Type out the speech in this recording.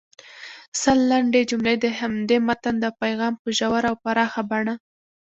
سل لنډې جملې د همدې متن د پیغام په ژوره او پراخه بڼه